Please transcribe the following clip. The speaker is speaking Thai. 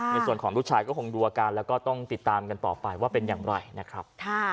ในส่วนของลูกชายก็คงดูอาการแล้วก็ต้องติดตามกันต่อไปว่าเป็นอย่างไรนะครับ